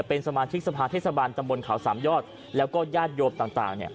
เป็นสมาชิกสภาเทศบาลตำบลเขาสามยอดแล้วก็ญาติโยมต่าง